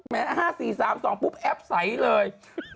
แม้๕๔๓๒แอบใสเลย